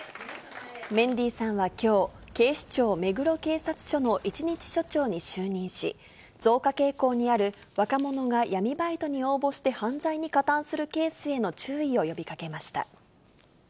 メンディーさんはきょう、警視庁目黒警察署の一日署長に就任し、増加傾向にある若者が闇バイトに応募して、犯罪に加担するケースへの注意を呼びかけました。